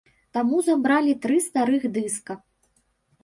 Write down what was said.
Таму забралі тры старых дыска.